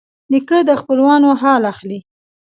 نیکه د خپلوانو حال اخلي.